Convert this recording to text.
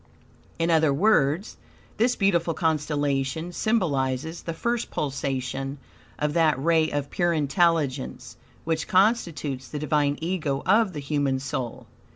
In other words, this beautiful constellation symbolizes the first pulsation of that ray of pure intelligence which constitutes the Divine Ego of the human soul.